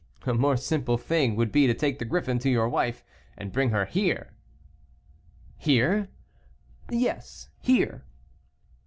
"A more simple thing would be to take the griffin to your wife and bring her here." "Here!" "Yes, here."